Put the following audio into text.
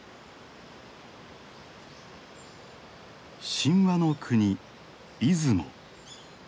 神話の国出雲。